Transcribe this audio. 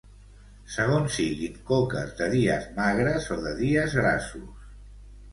segons siguin coques de dies magres o de dies grassos